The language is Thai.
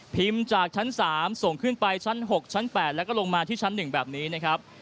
พิมพ์จากชั้นสามส่งขึ้นไปชั้นหกชั้นแปดแล้วก็ลงมาที่ชั้นหนึ่งแบบนี้นะครับ